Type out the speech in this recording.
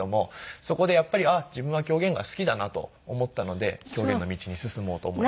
そこでやっぱりあっ自分は狂言が好きだなと思ったので狂言の道に進もうと思いました。